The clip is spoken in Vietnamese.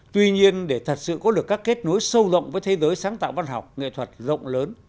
tuy nhiên để thật sự có được các kết nối sâu rộng với thế giới sáng tạo văn học nghệ thuật rộng lớn